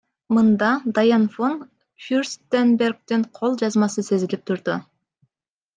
Мында Дайан фон Фюрстенбергдин кол жазмасы сезилип турду.